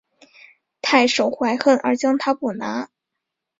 太守怀恨而将他捕拿。